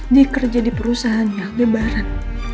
dia kerja di perusahaan yang lebaran